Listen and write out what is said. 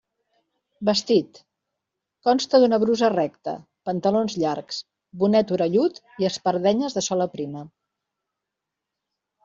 Vestit: consta d'una brusa recta, pantalons llargs, bonet orellut i espardenyes de sola prima.